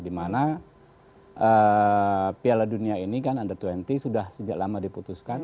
dimana piala dunia ini kan under dua puluh sudah sejak lama diputuskan